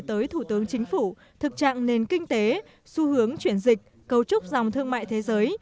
tới thủ tướng chính phủ thực trạng nền kinh tế xu hướng chuyển dịch cấu trúc dòng thương mại thế giới